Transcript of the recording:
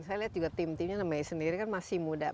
iya dan saya lihat juga tim timnya dengan may sendiri kan masih muda